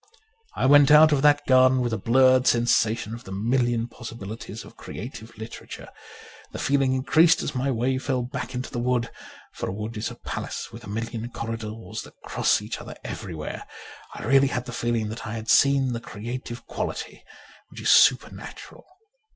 I went out of that garden with a blurred sensation of the million possibilities of creative literature. The feeling increased as my way fell back into the wood ; for a wood is a palace with a million corridors that cross each other everywhere. I really had the feeling that I had seen the creative quality ; which is supernatural.